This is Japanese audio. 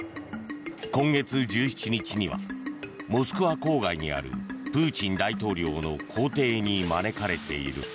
今月１７日にはモスクワ郊外にあるプーチン大統領の公邸に招かれている。